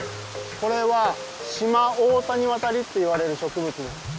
これはシマオオタニワタリっていわれる植物です。